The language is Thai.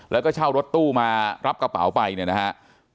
แล้วก็เช่ารถตู้มารับกระเป๋าไปเนี่ยนะครับ